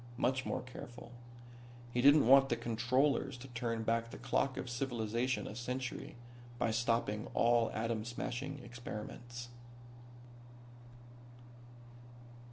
Much more careful. He didn't want the Controllers to turn back the clock of civilization a century by stopping all atom smashing experiments.